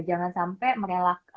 jangan sampai merelak